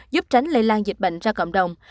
giúp tránh lây lan dịch bệnh ra cộng đồng